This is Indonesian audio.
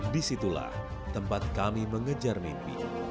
disitulah tempat kami mengejar mimpi